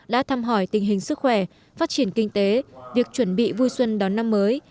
đã thăm hỏi tình hình sức khỏe phát triển kinh tế việc chuẩn bị vui xuân đón năm mới